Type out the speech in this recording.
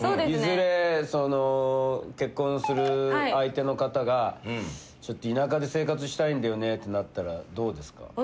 いずれ結婚する相手の方がちょっと田舎で生活したいんだよねってなったらどうですか？